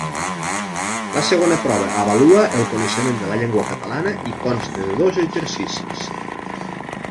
La segona prova avalua el coneixement de la llengua catalana i consta de dos exercicis.